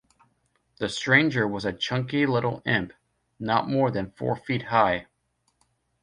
The stranger was a chunky little imp, not more than four feet high.